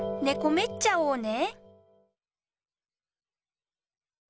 めっちゃおうね。